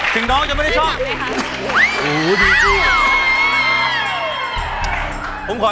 ถึงน้องจะไม่ได้ชอบ